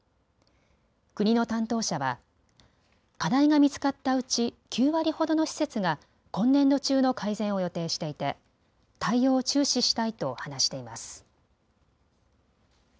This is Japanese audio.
国の担当者は課題が見つかったうち９割ほどの施設が今年度中の改善を予定していて対応を注視したいと話しています。